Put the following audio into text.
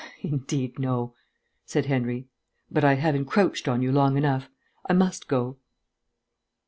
"Indeed, no," said Henry. "But I have encroached on you long enough. I must go."